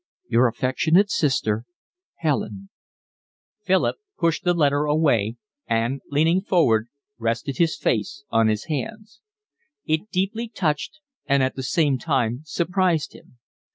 Your affectionate sister, Helen. Philip pushed the letter away and, leaning forward, rested his face on his hands. It deeply touched and at the same time surprised him.